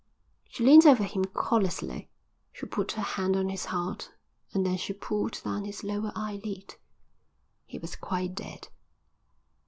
She leaned over him callously. She put her hand on his heart and then she pulled down his lower eye lid. He was quite dead.